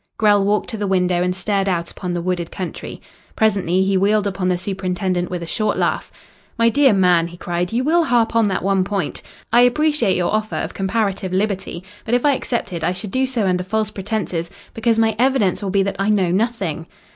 Grell walked to the window and stared out upon the wooded country. Presently he wheeled upon the superintendent with a short laugh. "My dear man," he cried, "you will harp on that one point. I appreciate your offer of comparative liberty, but if I accepted I should do so under false pretences, because my evidence will be that I know nothing."